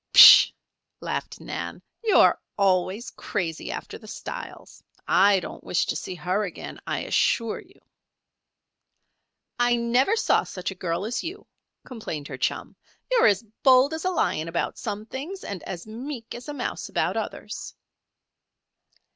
"Pshaw!" laughed Nan. "You're always crazy after the styles. I don't wish to see her again, I assure you." "I never saw such a girl as you," complained her chum. "You're as bold as a lion about some things and as meek as a mouse about others."